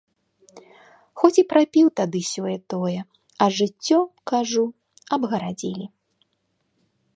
Хоць і прапіў тады сёе-тое, а жыццё, кажу, абгарадзілі.